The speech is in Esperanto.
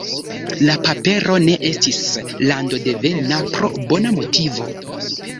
La papero ne estis landodevena, pro bona motivo.